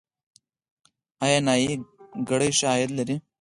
آیا نایي ګري ښه عاید لري؟